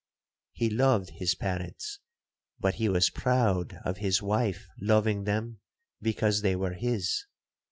He loved his parents, but he was proud of his wife loving them because they were his.